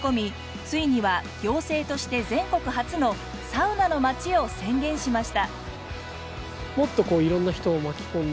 ついには行政として全国初の「サウナのまち」を宣言しました。